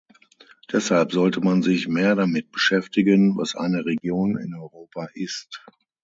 Deshalb sollte man sich mehr damit beschäftigen, was eine Region in Europa ist.